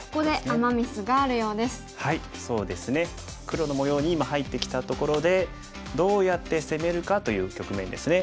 黒の模様に今入ってきたところでどうやって攻めるかという局面ですね。